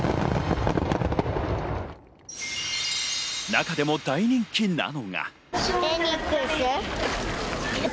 中でも大人気なのが。